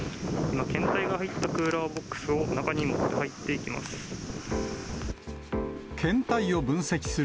今、検体が入ったクーラーボックスを中に持って入っていきます。